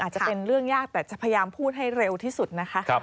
จะเป็นเรื่องยากแต่จะพยายามพูดให้เร็วที่สุดนะคะ